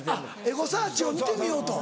エゴサーチを見てみようと。